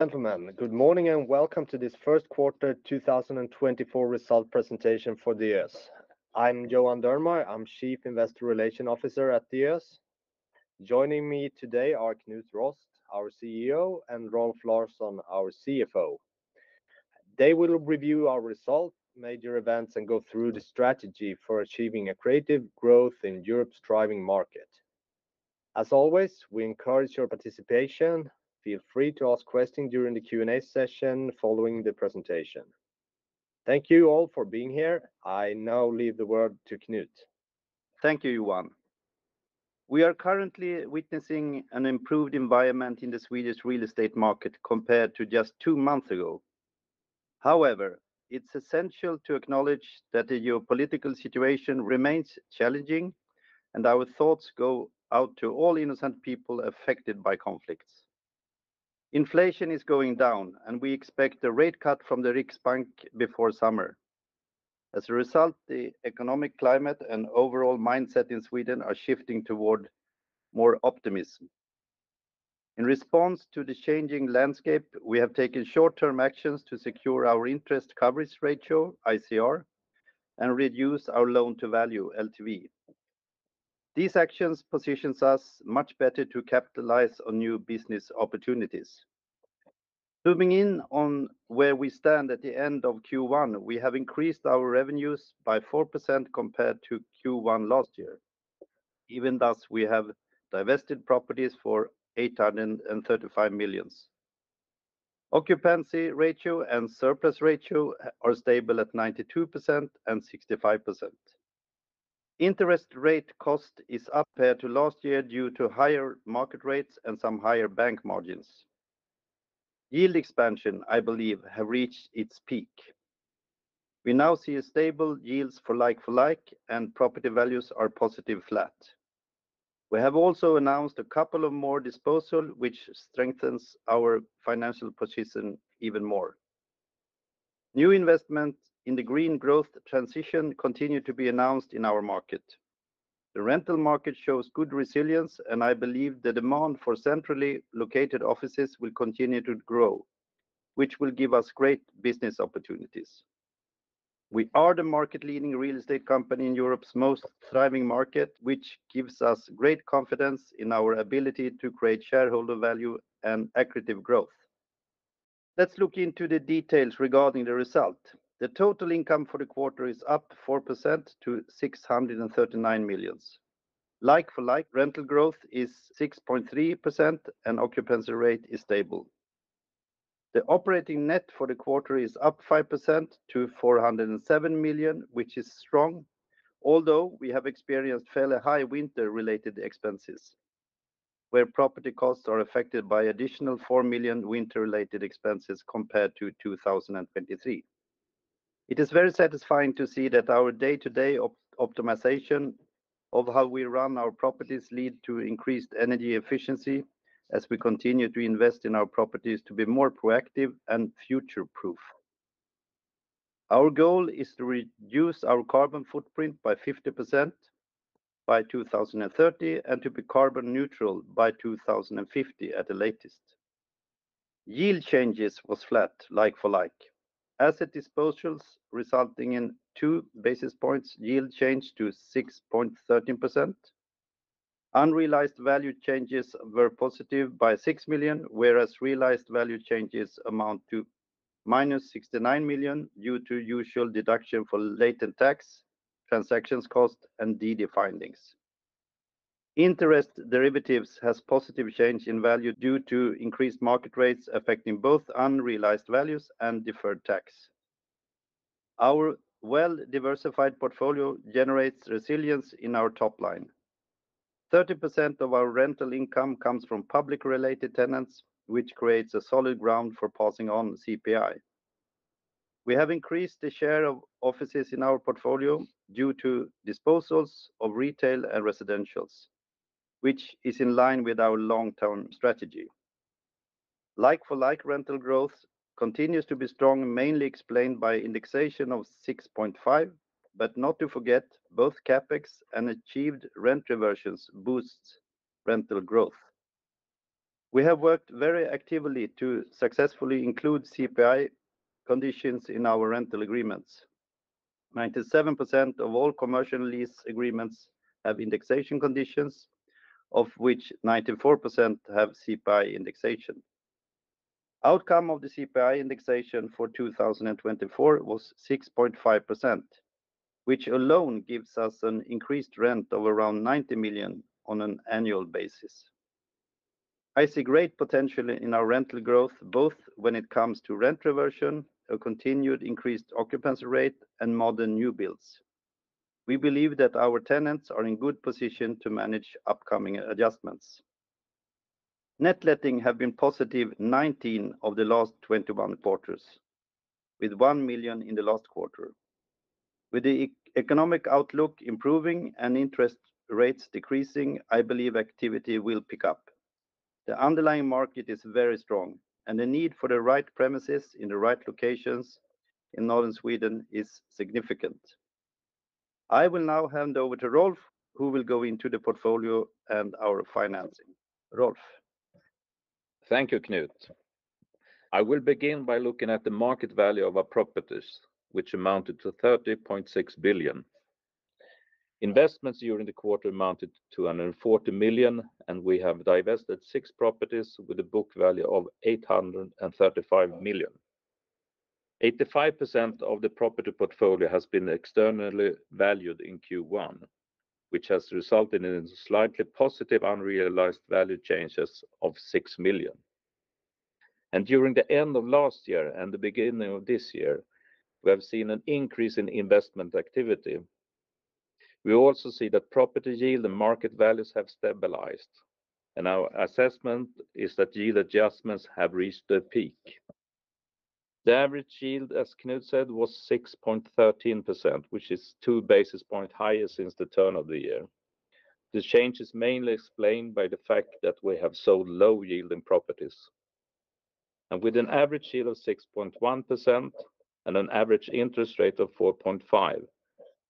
Gentlemen, good morning and welcome to this First Quarter 2024 Result Presentation for Diös. I'm Johan Dernmar, I'm Chief Investor Relations Officer at Diös. Joining me today are Knut Rost, our CEO, and Rolf Larsson, our CFO. They will review our result, major events, and go through the strategy for achieving a accretive growth in Europe's driving market. As always, we encourage your participation. Feel free to ask questions during the Q&A session following the presentation. Thank you all for being here. I now leave the word to Knut. Thank you, Johan. We are currently witnessing an improved environment in the Swedish real estate market compared to just two months ago. However, it's essential to acknowledge that the geopolitical situation remains challenging, and our thoughts go out to all innocent people affected by conflicts. Inflation is going down, and we expect a rate cut from the Riksbank before summer. As a result, the economic climate and overall mindset in Sweden are shifting toward more optimism. In response to the changing landscape, we have taken short-term actions to secure our interest coverage ratio, ICR, and reduce our loan-to-value, LTV. These actions position us much better to capitalize on new business opportunities. Zooming in on where we stand at the end of Q1, we have increased our revenues by 4% compared to Q1 last year. Even thus, we have divested properties for 835 million. Occupancy ratio and surplus ratio are stable at 92% and 65%. Interest rate cost is up compared to last year due to higher market rates and some higher bank margins. Yield expansion, I believe, has reached its peak. We now see stable yields for like-for-like, and property values are positive flat. We have also announced a couple of more disposals, which strengthens our financial position even more. New investments in the green growth transition continue to be announced in our market. The rental market shows good resilience, and I believe the demand for centrally located offices will continue to grow, which will give us great business opportunities. We are the market-leading real estate company in Europe's most driving market, which gives us great confidence in our ability to create shareholder value and accretive growth. Let's look into the details regarding the result. The total income for the quarter is up 4% to 639 million. Like-for-like, rental growth is 6.3%, and occupancy rate is stable. The operating net for the quarter is up 5% to 407 million, which is strong, although we have experienced fairly high winter-related expenses, where property costs are affected by additional 4 million winter-related expenses compared to 2023. It is very satisfying to see that our day-to-day optimization of how we run our properties leads to increased energy efficiency as we continue to invest in our properties to be more proactive and future-proof. Our goal is to reduce our carbon footprint by 50% by 2030 and to be carbon neutral by 2050 at the latest. Yield changes were flat, like-for-like, asset disposals resulting in 2 basis points yield change to 6.13%. Unrealized value changes were positive by 6 million, whereas realized value changes amount to -69 million due to usual deduction for latent tax, transactions cost, and DD findings. Interest derivatives have positive change in value due to increased market rates affecting both unrealized values and deferred tax. Our well-diversified portfolio generates resilience in our top line. 30% of our rental income comes from public-related tenants, which creates a solid ground for passing on CPI. We have increased the share of offices in our portfolio due to disposals of retail and residentials, which is in line with our long-term strategy. Like-for-like rental growth continues to be strong, mainly explained by indexation of 6.5, but not to forget both CapEx and achieved rent reversions boosts rental growth. We have worked very actively to successfully include CPI conditions in our rental agreements. 97% of all commercial lease agreements have indexation conditions, of which 94% have CPI indexation. Outcome of the CPI indexation for 2024 was 6.5%, which alone gives us an increased rent of around 90 million on an annual basis. I see great potential in our rental growth, both when it comes to rent reversion, a continued increased occupancy rate, and modern new builds. We believe that our tenants are in good position to manage upcoming adjustments. Net letting has been positive 19 of the last 21 quarters, with 1 million in the last quarter. With the economic outlook improving and interest rates decreasing, I believe activity will pick up. The underlying market is very strong, and the need for the right premises in the right locations in northern Sweden is significant. I will now hand over to Rolf, who will go into the portfolio and our financing. Rolf. Thank you, Knut. I will begin by looking at the market value of our properties, which amounted to 30.6 billion. Investments during the quarter amounted to 140 million, and we have divested six properties with a book value of 835 million. 85% of the property portfolio has been externally valued in Q1, which has resulted in slightly positive unrealized value changes of 6 million. During the end of last year and the beginning of this year, we have seen an increase in investment activity. We also see that property yield and market values have stabilized, and our assessment is that yield adjustments have reached their peak. The average yield, as Knut said, was 6.13%, which is two basis points higher since the turn of the year. The change is mainly explained by the fact that we have sold low-yielding properties. With an average yield of 6.1% and an average interest rate of 4.5,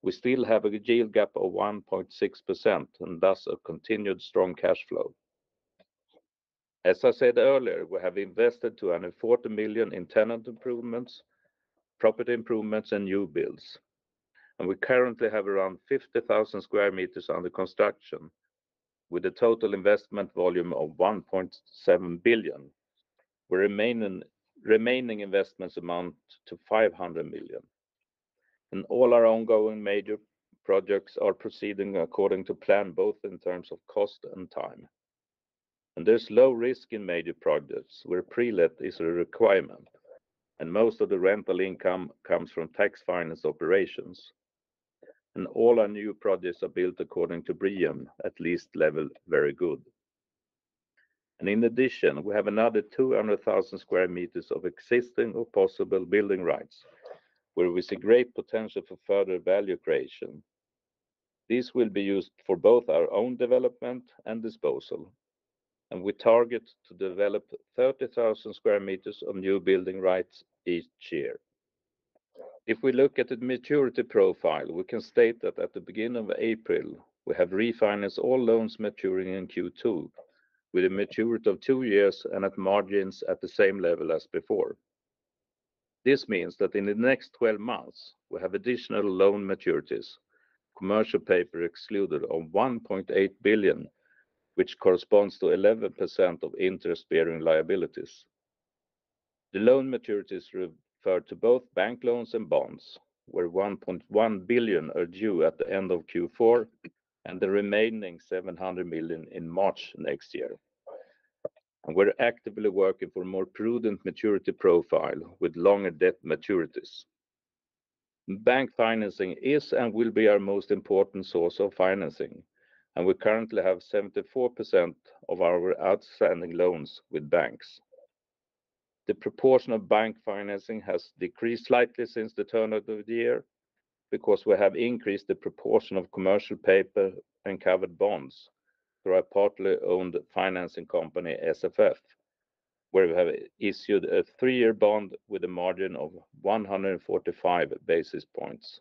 we still have a yield gap of 1.6% and thus a continued strong cash flow. As I said earlier, we have invested 240 million in tenant improvements, property improvements, and new builds. We currently have around 50,000 sq m under construction, with a total investment volume of 1.7 billion, where remaining investments amount to 500 million. All our ongoing major projects are proceeding according to plan, both in terms of cost and time. There's low risk in major projects, where pre-let is a requirement, and most of the rental income comes from tax-financed operations. All our new projects are built according to BREEAM, at least level Very Good. And in addition, we have another 200,000 sq m of existing or possible building rights, where we see great potential for further value creation. These will be used for both our own development and disposal, and we target to develop 30,000 sq m of new building rights each year. If we look at the maturity profile, we can state that at the beginning of April, we have refinanced all loans maturing in Q2, with a maturity of two-years and at margins at the same level as before. This means that in the next 12 months, we have additional loan maturities, commercial paper excluded of 1.8 billion, which corresponds to 11% of interest-bearing liabilities. The loan maturities refer to both bank loans and bonds, where 1.1 billion are due at the end of Q4 and the remaining 700 million in March next year. We're actively working for a more prudent maturity profile with longer debt maturities. Bank financing is and will be our most important source of financing, and we currently have 74% of our outstanding loans with banks. The proportion of bank financing has decreased slightly since the turn of the year because we have increased the proportion of commercial paper and covered bonds through our partly owned financing company, SFF, where we have issued a three-year bond with a margin of 145 basis points.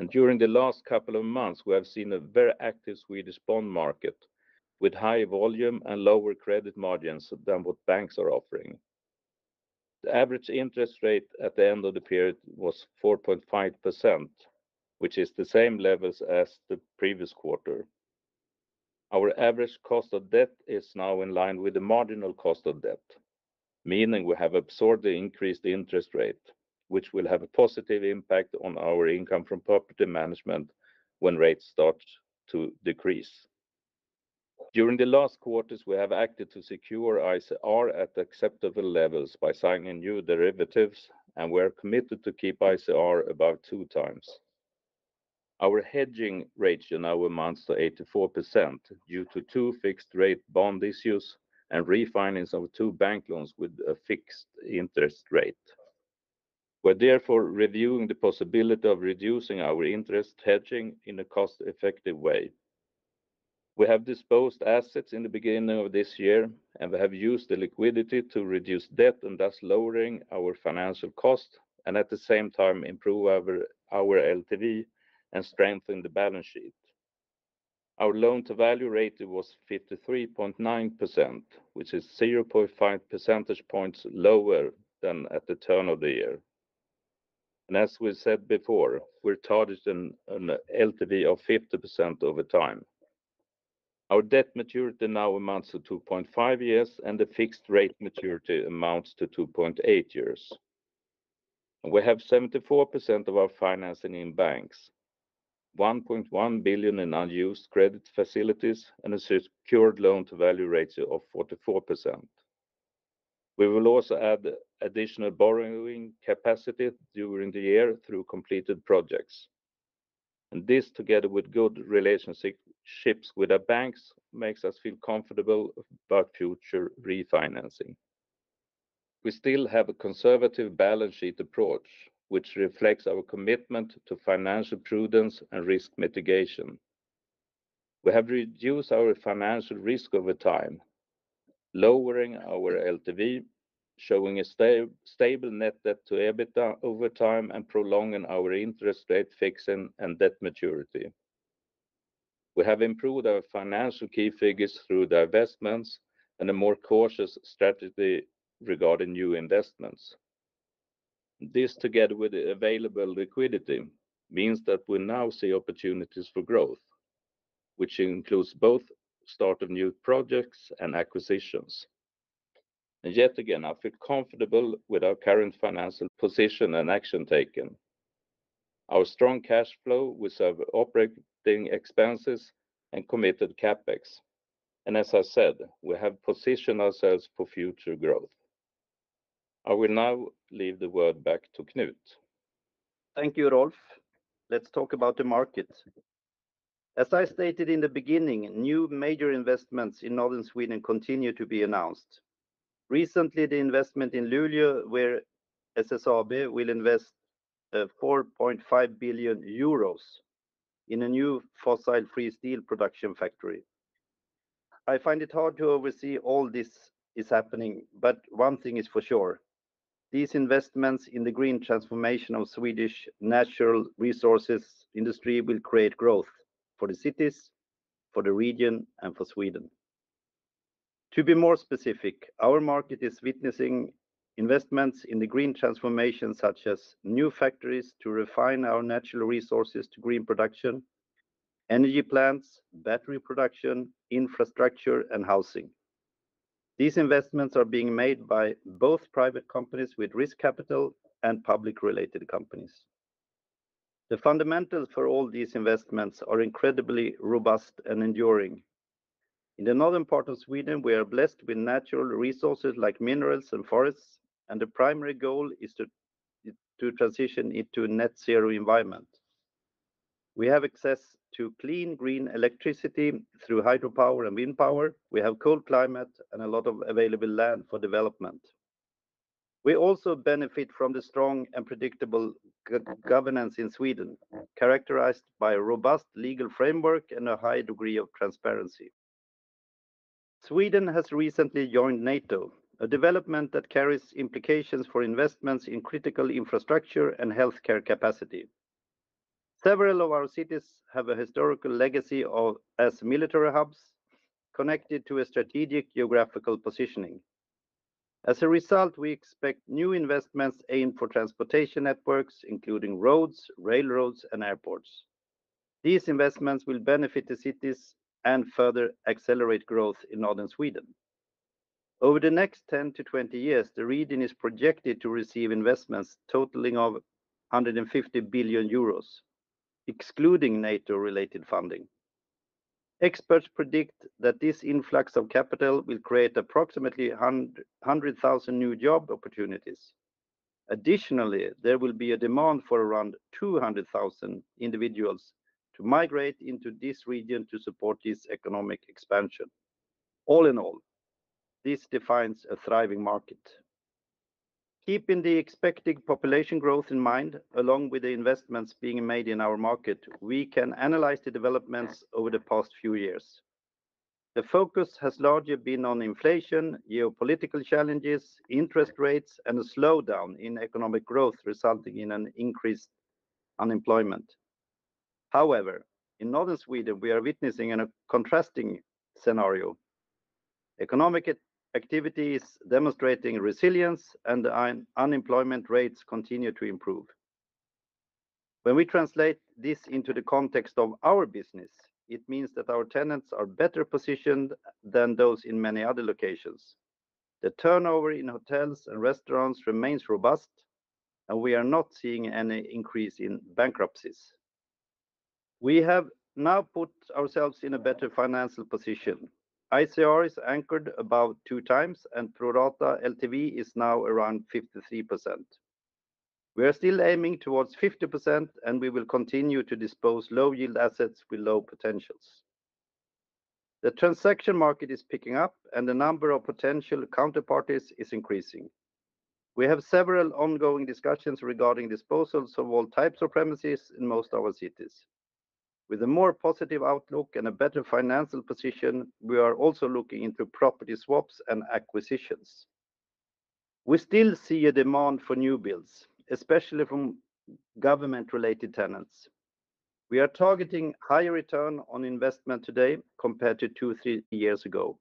And during the last couple of months, we have seen a very active Swedish bond market with high volume and lower credit margins than what banks are offering. The average interest rate at the end of the period was 4.5%, which is the same levels as the previous quarter. Our average cost of debt is now in line with the marginal cost of debt, meaning we have absorbed the increased interest rate, which will have a positive impact on our income from property management when rates start to decrease. During the last quarters, we have acted to secure ICR at acceptable levels by signing new derivatives, and we are committed to keep ICR above 2x. Our hedging rate now amounts to 84% due to two fixed-rate bond issues and refinancing of two bank loans with a fixed interest rate. We are therefore reviewing the possibility of reducing our interest hedging in a cost-effective way. We have disposed assets in the beginning of this year, and we have used the liquidity to reduce debt and thus lower our financial costs and at the same time improve our LTV and strengthen the balance sheet. Our loan-to-value rate was 53.9%, which is 0.5 percentage points lower than at the turn of the year. As we said before, we're targeting an LTV of 50% over time. Our debt maturity now amounts to 2.5 years, and the fixed-rate maturity amounts to 2.8 years. We have 74% of our financing in banks, 1.1 billion in unused credit facilities, and a secured loan-to-value ratio of 44%. We will also add additional borrowing capacity during the year through completed projects. This, together with good relationships with our banks, makes us feel comfortable about future refinancing. We still have a conservative balance sheet approach, which reflects our commitment to financial prudence and risk mitigation. We have reduced our financial risk over time, lowering our LTV, showing a stable net debt to EBITDA over time, and prolonging our interest rate fixing and debt maturity. We have improved our financial key figures through divestments and a more cautious strategy regarding new investments. This, together with the available liquidity, means that we now see opportunities for growth, which includes both the start of new projects and acquisitions. And yet again, I feel comfortable with our current financial position and action taken. Our strong cash flow with operating expenses and committed CapEx, and as I said, we have positioned ourselves for future growth. I will now leave the word back to Knut. Thank you, Rolf. Let's talk about the market. As I stated in the beginning, new major investments in northern Sweden continue to be announced. Recently, the investment in Luleå, where SSAB will invest 4.5 billion euros in a new fossil-free steel production factory. I find it hard to oversee all this is happening, but one thing is for sure: these investments in the green transformation of Swedish natural resources industry will create growth for the cities, for the region, and for Sweden. To be more specific, our market is witnessing investments in the green transformation, such as new factories to refine our natural resources to green production, energy plants, battery production, infrastructure, and housing. These investments are being made by both private companies with risk capital and public-related companies. The fundamentals for all these investments are incredibly robust and enduring. In the northern part of Sweden, we are blessed with natural resources like minerals and forests, and the primary goal is to transition into a net-zero environment. We have access to clean green electricity through hydropower and wind power. We have a cold climate and a lot of available land for development. We also benefit from the strong and predictable governance in Sweden, characterized by a robust legal framework and a high degree of transparency. Sweden has recently joined NATO, a development that carries implications for investments in critical infrastructure and healthcare capacity. Several of our cities have a historical legacy as military hubs connected to a strategic geographical positioning. As a result, we expect new investments aimed for transportation networks, including roads, railroads, and airports. These investments will benefit the cities and further accelerate growth in Northern Sweden. Over the next 10-20 years, the region is projected to receive investments totaling 150 billion euros, excluding NATO-related funding. Experts predict that this influx of capital will create approximately 100,000 new job opportunities. Additionally, there will be a demand for around 200,000 individuals to migrate into this region to support this economic expansion. All in all, this defines a thriving market. Keeping the expected population growth in mind, along with the investments being made in our market, we can analyze the developments over the past few years. The focus has largely been on inflation, geopolitical challenges, interest rates, and a slowdown in economic growth, resulting in increased unemployment. However, in northern Sweden, we are witnessing a contrasting scenario: economic activity is demonstrating resilience, and unemployment rates continue to improve. When we translate this into the context of our business, it means that our tenants are better positioned than those in many other locations. The turnover in hotels and restaurants remains robust, and we are not seeing any increase in bankruptcies. We have now put ourselves in a better financial position. ICR is anchored above 2x, and pro-rata LTV is now around 53%. We are still aiming towards 50%, and we will continue to dispose of low-yield assets with low potentials. The transaction market is picking up, and the number of potential counterparties is increasing. We have several ongoing discussions regarding disposals of all types of premises in most of our cities. With a more positive outlook and a better financial position, we are also looking into property swaps and acquisitions. We still see a demand for new builds, especially from government-related tenants. We are targeting higher returns on investment today compared to two, three-years ago.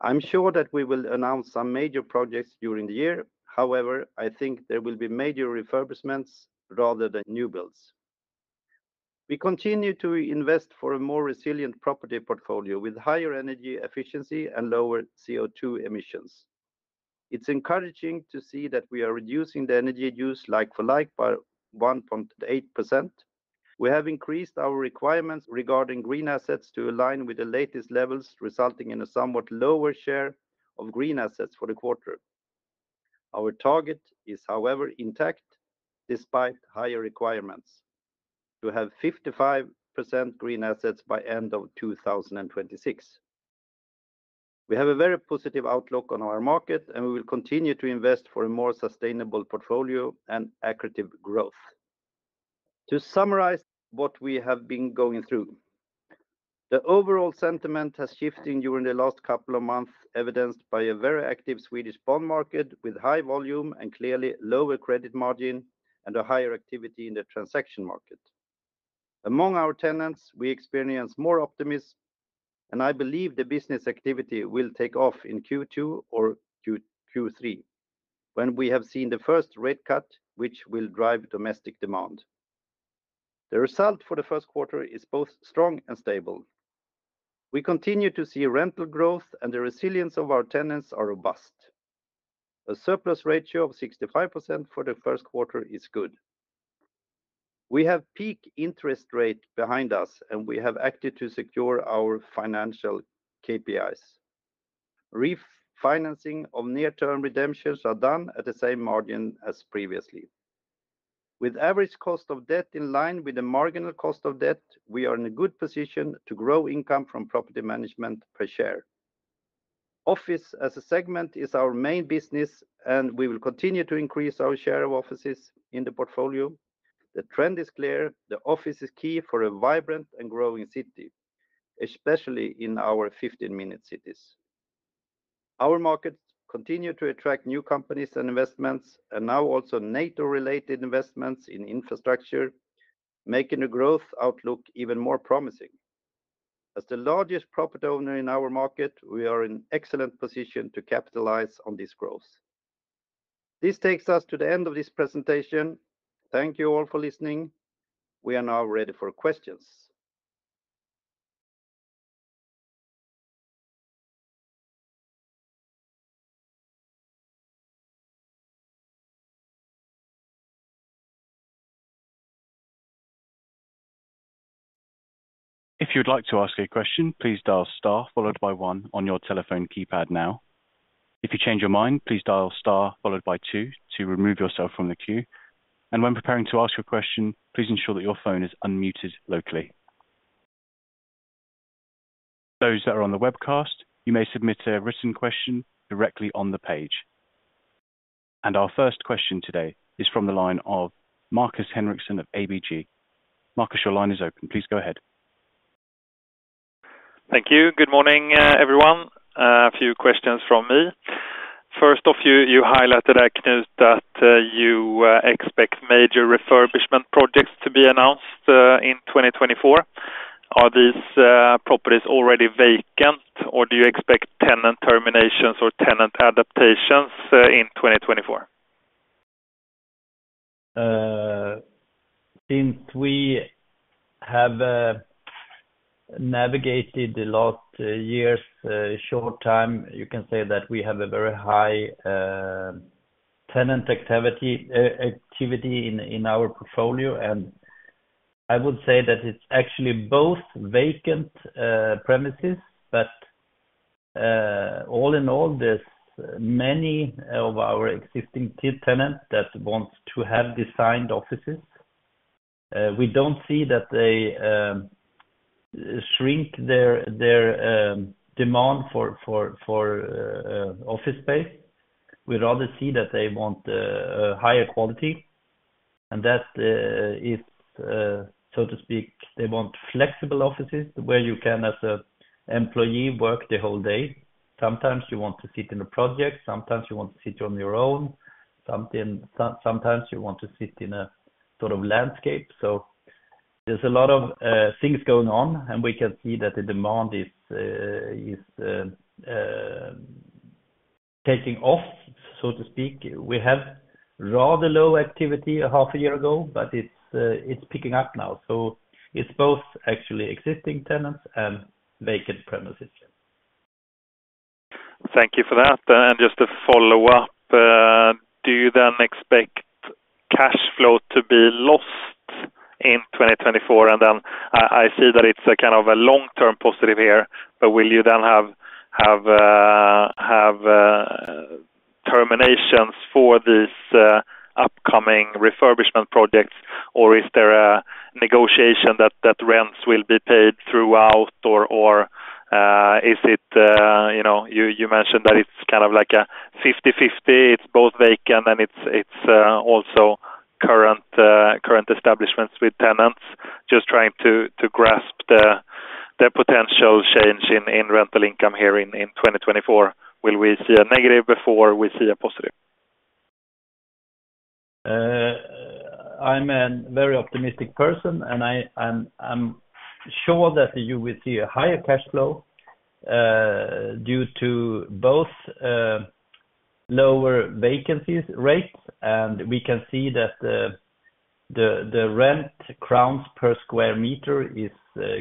I'm sure that we will announce some major projects during the year. However, I think there will be major refurbishments rather than new builds. We continue to invest for a more resilient property portfolio with higher energy efficiency and lower CO2 emissions. It's encouraging to see that we are reducing the energy use like-for-like by 1.8%. We have increased our requirements regarding green assets to align with the latest levels, resulting in a somewhat lower share of green assets for the quarter. Our target is, however, intact despite higher requirements: to have 55% green assets by the end of 2026. We have a very positive outlook on our market, and we will continue to invest for a more sustainable portfolio and accretive growth. To summarize what we have been going through: the overall sentiment has shifted during the last couple of months, evidenced by a very active Swedish bond market with high volume and clearly lower credit margin, and a higher activity in the transaction market. Among our tenants, we experience more optimism, and I believe the business activity will take off in Q2 or Q3, when we have seen the first rate cut, which will drive domestic demand. The result for the first quarter is both strong and stable. We continue to see rental growth, and the resilience of our tenants is robust. A surplus ratio of 65% for the first quarter is good. We have peak interest rates behind us, and we have acted to secure our financial KPIs. Refinancing of near-term redemptions is done at the same margin as previously. With average cost of debt in line with the marginal cost of debt, we are in a good position to grow income from property management per share. Office as a segment is our main business, and we will continue to increase our share of offices in the portfolio. The trend is clear: the office is key for a vibrant and growing city, especially in our 15-minute cities. Our markets continue to attract new companies and investments, and now also NATO-related investments in infrastructure, making the growth outlook even more promising. As the largest property owner in our market, we are in an excellent position to capitalize on this growth. This takes us to the end of this presentation. Thank you all for listening. We are now ready for questions. If you'd like to ask a question, please dial star followed by one on your telephone keypad now. If you change your mind, please dial star followed by two to remove yourself from the queue. And when preparing to ask your question, please ensure that your phone is unmuted locally. Those that are on the webcast, you may submit a written question directly on the page. And our first question today is from the line of Markus Henriksson of ABG. Markus, your line is open. Please go ahead. Thank you. Good morning, everyone. A few questions from me. First off, you highlighted there, Knut, that you expect major refurbishment projects to be announced in 2024. Are these properties already vacant, or do you expect tenant terminations or tenant adaptations in 2024? Since we have navigated the last year's short time, you can say that we have a very high tenant activity in our portfolio. I would say that it's actually both vacant premises, but all in all, there's many of our existing tenants that want to have designed offices. We don't see that they shrink their demand for office space. We rather see that they want higher quality. That is, so to speak, they want flexible offices where you can, as an employee, work the whole day. Sometimes you want to sit in a project. Sometimes you want to sit on your own. Sometimes you want to sit in a sort of landscape. So there's a lot of things going on, and we can see that the demand is taking off, so to speak. We had rather low activity half a year ago, but it's picking up now. It's both actually existing tenants and vacant premises. Thank you for that. And just to follow up, do you then expect cash flow to be lost in 2024? And then I see that it's a kind of a long-term positive here, but will you then have terminations for these upcoming refurbishment projects, or is there a negotiation that rents will be paid throughout, or is it you mentioned that it's kind of like a 50/50. It's both vacant, and it's also current establishments with tenants just trying to grasp the potential change in rental income here in 2024. Will we see a negative before we see a positive? I'm a very optimistic person, and I'm sure that you will see a higher cash flow due to both lower vacancy rates. We can see that the rent kronor per square meter is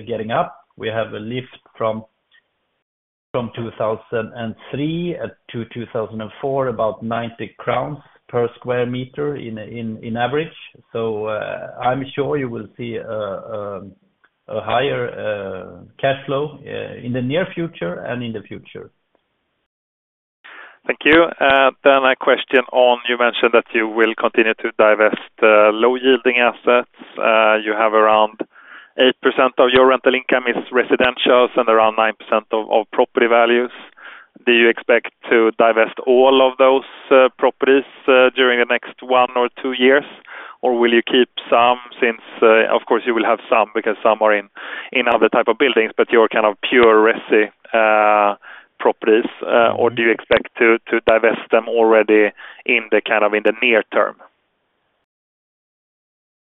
getting up. We have a lift from 2003-2004, about 90 kronor per square meter on average. So I'm sure you will see a higher cash flow in the near future and in the future. Thank you. Then my question on: you mentioned that you will continue to divest low-yielding assets. You have around 8% of your rental income is residentials and around 9% of property values. Do you expect to divest all of those properties during the next one or two years, or will you keep some? Of course, you will have some because some are in other types of buildings, but you're kind of pure resi properties. Or do you expect to divest them already in the kind of near term?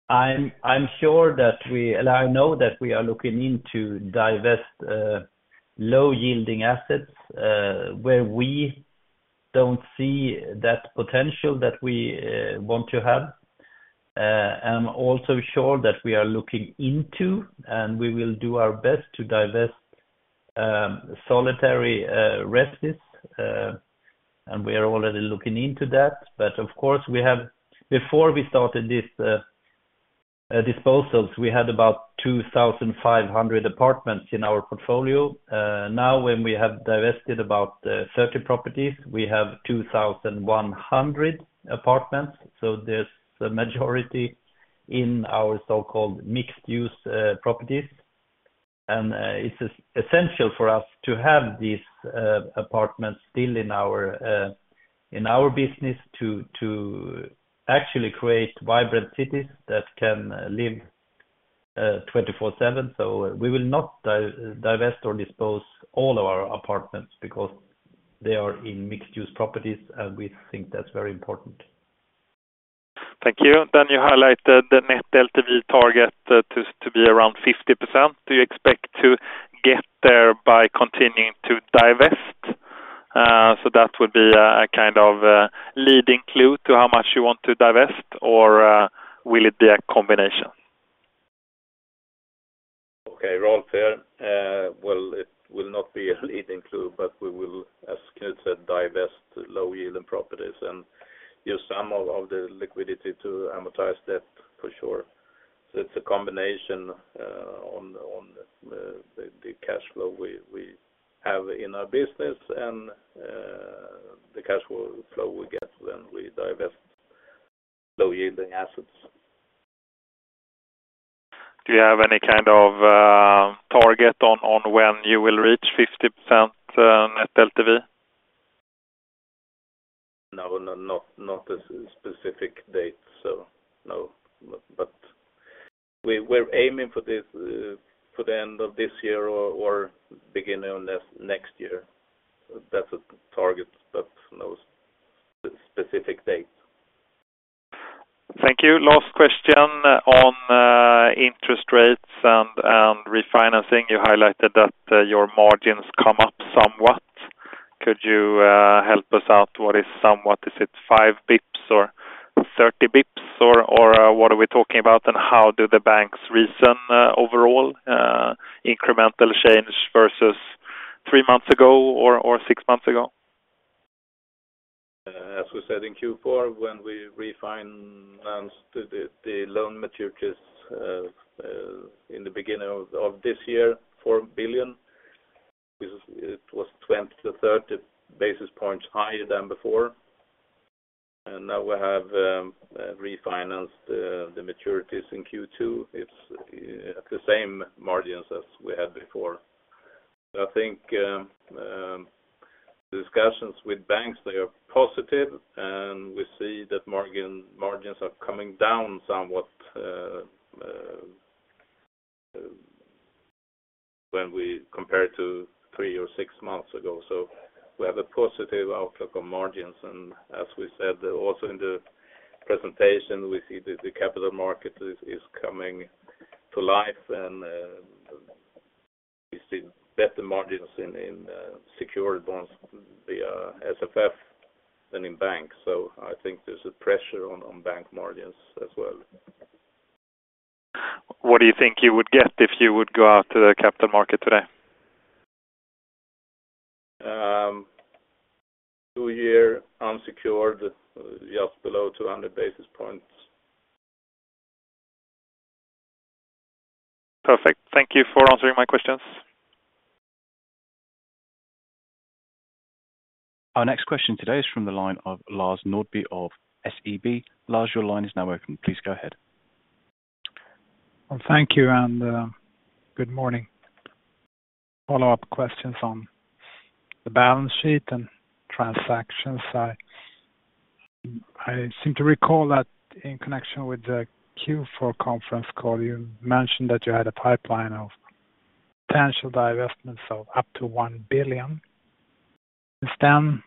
I'm sure that we know that we are looking into divesting low-yielding assets where we don't see that potential that we want to have. I'm also sure that we are looking into, and we will do our best to divest solitary residences. And we are already looking into that. But of course, before we started these disposals, we had about 2,500 apartments in our portfolio. Now, when we have divested about 30 properties, we have 2,100 apartments. So there's a majority in our so-called mixed-use properties. And it's essential for us to have these apartments still in our business to actually create vibrant cities that can live 24/7. So we will not divest or dispose of all of our apartments because they are in mixed-use properties, and we think that's very important. Thank you. Then you highlighted the net LTV target to be around 50%. Do you expect to get there by continuing to divest? So that would be a kind of leading clue to how much you want to divest, or will it be a combination? Okay, Rolf here. Well, it will not be a leading clue, but we will, as Knut said, divest low-yielding properties and use some of the liquidity to amortize debt, for sure. So it's a combination on the cash flow we have in our business and the cash flow we get when we divest low-yielding assets. Do you have any kind of target on when you will reach 50% net LTV? No, not a specific date, so no. But we're aiming for the end of this year or beginning of next year. That's a target, but no specific date. Thank you. Last question on interest rates and refinancing. You highlighted that your margins come up somewhat. Could you help us out? What is somewhat? Is it 5 basis points or 30 basis points, or what are we talking about, and how do the banks reason overall, incremental change versus three-months ago or six-months ago? As we said in Q4, when we refinanced the loan maturities in the beginning of this year, 4 billion, it was 20-30 basis points higher than before. Now we have refinanced the maturities in Q2. It's at the same margins as we had before. I think the discussions with banks, they are positive, and we see that margins are coming down somewhat when we compare to three or six months ago. We have a positive outlook on margins. As we said, also in the presentation, we see the capital market is coming to life, and we see better margins in secured bonds via SFF than in banks. I think there's a pressure on bank margins as well. What do you think you would get if you would go out to the capital market today? Two-year unsecured, just below 200 basis points. Perfect. Thank you for answering my questions. Our next question today is from the line of Lars Norrby of SEB. Lars, your line is now open. Please go ahead. Thank you, and good morning. Follow-up questions on the balance sheet and transactions. I seem to recall that in connection with the Q4 conference call, you mentioned that you had a pipeline of potential divestments of up to 1 billion. Since then,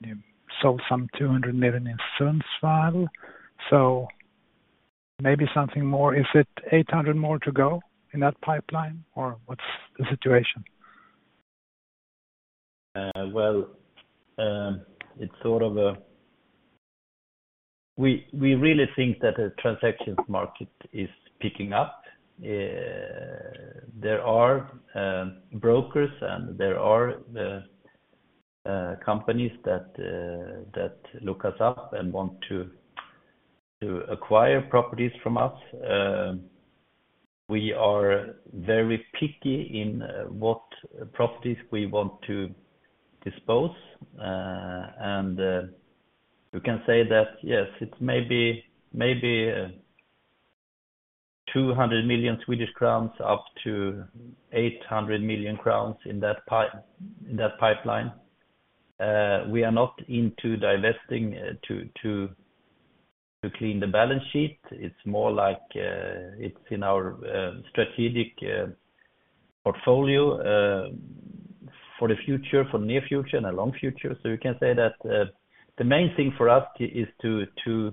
you sold some 200 million in Sundsvall. So maybe something more. Is it 800 million more to go in that pipeline, or what's the situation? Well, it's sort of a we really think that the transactions market is picking up. There are brokers, and there are companies that look us up and want to acquire properties from us. We are very picky in what properties we want to dispose. You can say that, yes, it's maybe 200 million Swedish crowns up to 800 million crowns in that pipeline. We are not into divesting to clean the balance sheet. It's more like it's in our strategic portfolio for the future, for the near future, and the long future. So you can say that the main thing for us is to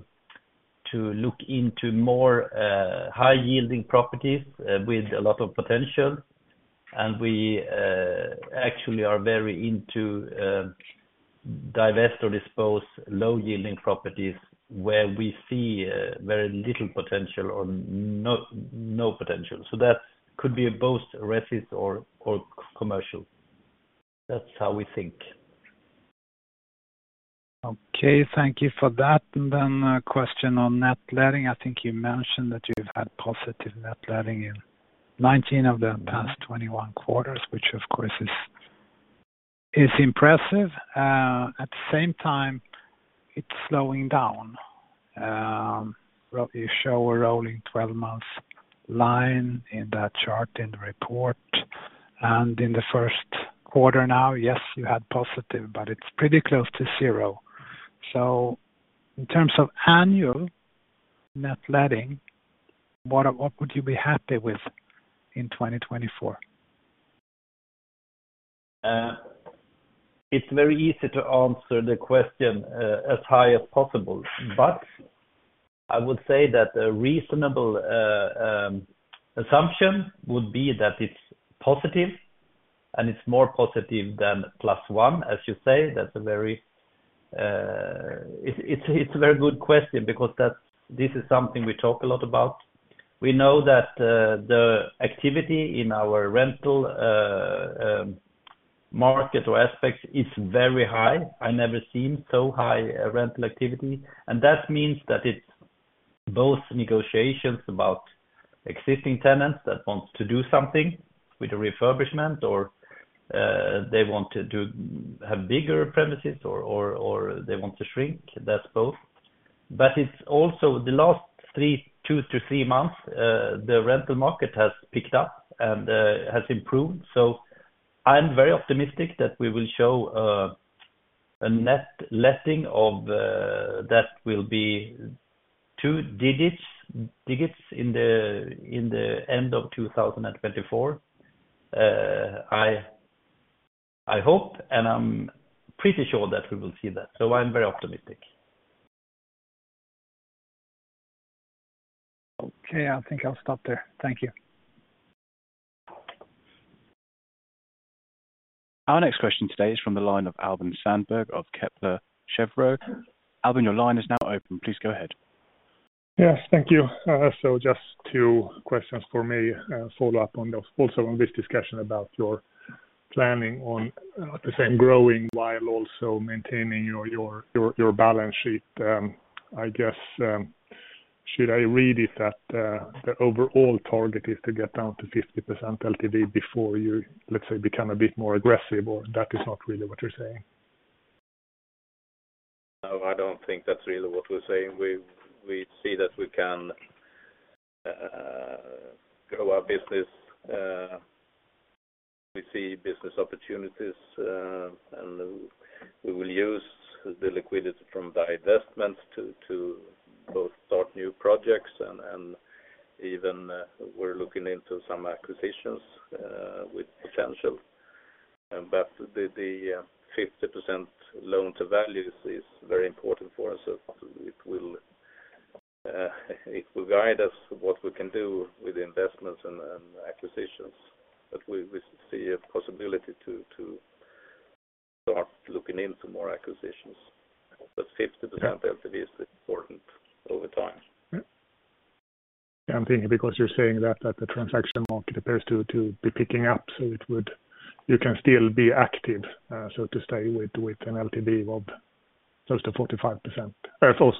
look into more high-yielding properties with a lot of potential. And we actually are very into divest or dispose of low-yielding properties where we see very little potential or no potential. So that could be both resis or commercial. That's how we think. Okay. Thank you for that. And then a question on net letting. I think you mentioned that you've had positive net letting in 19 of the past 21 quarters, which, of course, is impressive. At the same time, it's slowing down. You show a rolling 12-month line in that chart, in the report. And in the first quarter now, yes, you had positive, but it's pretty close to zero. So in terms of annual net letting, what would you be happy with in 2024? It's very easy to answer the question as high as possible, but I would say that a reasonable assumption would be that it's positive, and it's more positive than +1, as you say. That's a very good question because this is something we talk a lot about. We know that the activity in our rental market or aspects is very high. I never seen so high rental activity. And that means that it's both negotiations about existing tenants that want to do something with the refurbishment, or they want to have bigger premises, or they want to shrink. That's both. But it's also the last two to three months, the rental market has picked up and has improved. So I'm very optimistic that we will show a net letting that will be two digits in the end of 2024, I hope, and I'm pretty sure that we will see that. So I'm very optimistic. Okay. I think I'll stop there. Thank you. Our next question today is from the line of Albin Sandberg of Kepler Cheuvreux. Albin, your line is now open. Please go ahead. Yes, thank you. So just two questions for me, follow-up also on this discussion about your planning on at the same time, growing. While also maintaining your balance sheet, I guess, should I read it that the overall target is to get down to 50% LTV before you, let's say, become a bit more aggressive, or that is not really what you're saying? No, I don't think that's really what we're saying. We see that we can grow our business. We see business opportunities, and we will use the liquidity from divestments to both start new projects. And even we're looking into some acquisitions with potential. But the 50% loan-to-value is very important for us. It will guide us what we can do with investments and acquisitions. But we see a possibility to start looking into more acquisitions. But 50% LTV is important over time. Yeah, I'm thinking, because you're saying that the transaction market appears to be picking up, so you can still be active, so to say, with an LTV of close to 45%.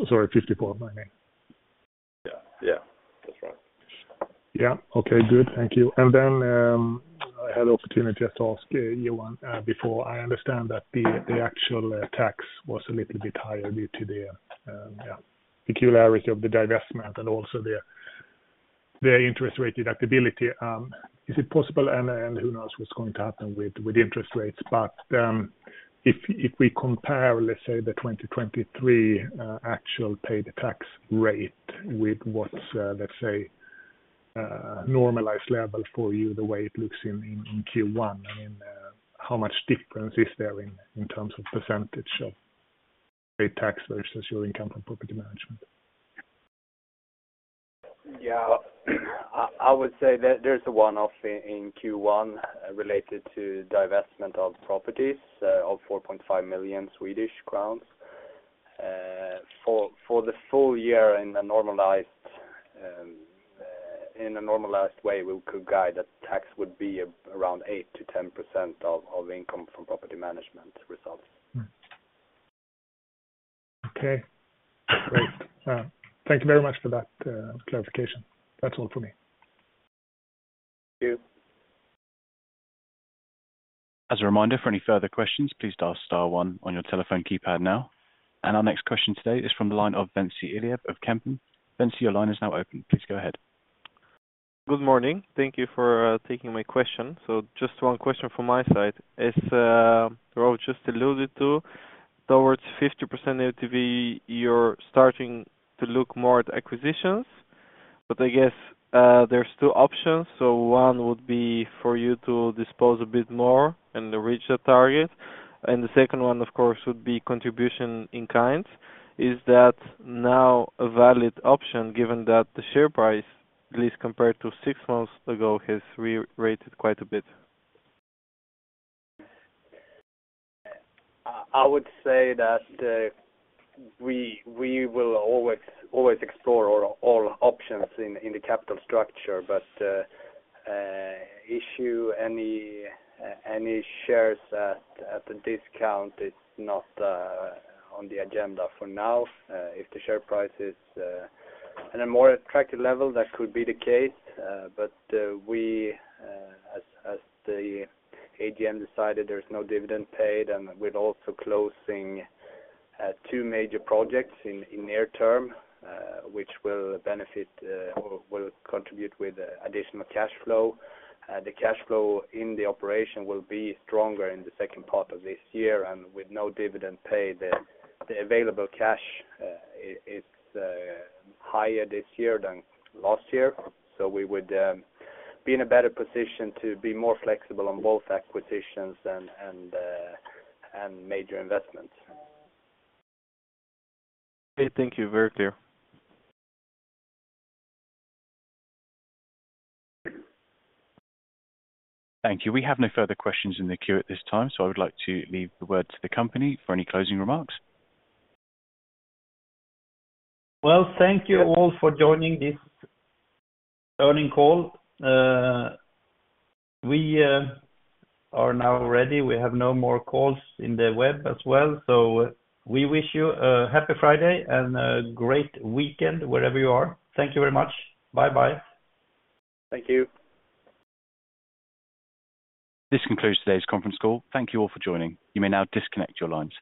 Sorry, 54, my name. Yeah, yeah, that's right. Yeah. Okay, good. Thank you. And then I had the opportunity to ask Johan before. I understand that the actual tax was a little bit higher due to the peculiarity of the divestment and also the interest rate deductibility. Is it possible, and who knows what's going to happen with interest rates? But if we compare, let's say, the 2023 actual paid tax rate with what's, let's say, normalized level for you, the way it looks in Q1, I mean, how much difference is there in terms of percentage of paid tax versus your income from property management? Yeah, I would say there's a one-off in Q1 related to divestment of properties of 4.5 million kronor. For the full year, in a normalized way, we could guide that tax would be around 8%-10% of income from property management results. Okay, great. Thank you very much for that clarification. That's all for me. Thank you. As a reminder, for any further questions, please ask Star One on your telephone keypad now. Our next question today is from the line of Ventsi Iliev of Kempen. Ventsi, your line is now open. Please go ahead. Good morning. Thank you for taking my question. So just one question from my side. As Rolf just alluded to, towards 50% LTV, you're starting to look more at acquisitions. But I guess there's two options. So one would be for you to dispose a bit more and reach that target. And the second one, of course, would be contribution in kind. Is that now a valid option given that the share price, at least compared to six months ago, has re-rated quite a bit? I would say that we will always explore all options in the capital structure, but issuing any shares at a discount is not on the agenda for now if the share price is at a more attractive level. That could be the case. But we, as the AGM decided, there's no dividend paid, and we're also closing two major projects in the near term, which will benefit or will contribute with additional cash flow. The cash flow in the operation will be stronger in the second part of this year. And with no dividend paid, the available cash is higher this year than last year. So we would be in a better position to be more flexible on both acquisitions and major investments. Okay. Thank you. Very clear. Thank you. We have no further questions in the queue at this time, so I would like to leave the word to the company for any closing remarks. Well, thank you all for joining this earnings call. We are now ready. We have no more calls in the web as well. So we wish you a happy Friday and a great weekend wherever you are. Thank you very much. Bye-bye. Thank you. This concludes today's conference call. Thank you all for joining. You may now disconnect your lines.